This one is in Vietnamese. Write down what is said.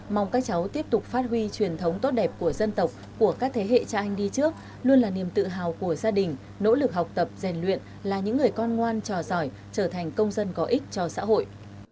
mong các cháu tiếp tục phát huy truyền thống tốt đẹp của dân tộc của các thế hệ cha anh đi trước luôn là niềm tự hào của gia đình nỗ lực học tập rèn luyện là những người con ngoan trò giỏi trở thành công dân có ích cho xã hội